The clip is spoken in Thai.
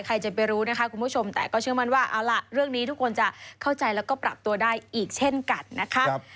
ใครจะไปรู้นะคะคุณผู้ชมแต่ก็เชื่อมั่นว่าเอาล่ะเรื่องนี้ทุกคนจะเข้าใจแล้วก็ปรับตัวได้อีกเช่นกันนะคะ